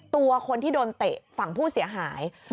ตัวคนที่โดนเตะฝั่งผู้เสียหาย